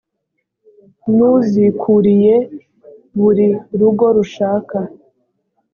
n uzikuriye buri rugo rushaka